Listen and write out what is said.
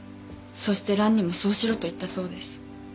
そしてランにもそうしろと言ったそうです。